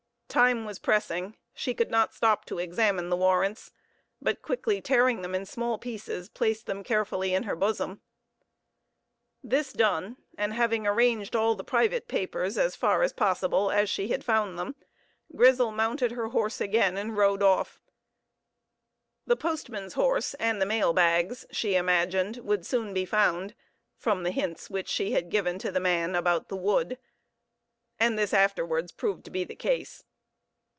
Time was pressing; she could not stop to examine the warrants, but, quickly tearing them in small pieces, placed them carefully in her bosom. This done, and having arranged all the private papers as far as possible as she had found them, Grizel mounted her horse again and rode off. The postman's horse and the mail bags, she imagined, would soon be found, from the hints which she had given to the man about the wood and this afterwards proved to be the case.